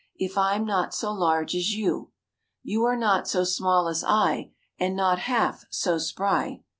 If I'm not so large as you, You are not so small as I, And not half so spry.